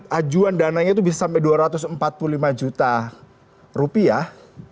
ajuan dananya itu bisa sampai dua ratus empat puluh lima juta rupiah